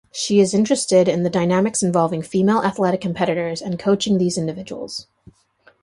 She is interested in the dynamics involving female athletic competitors and coaching these individuals.